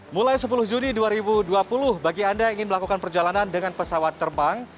mulai sepuluh juni dua ribu dua puluh bagi anda yang ingin melakukan perjalanan dengan pesawat terbang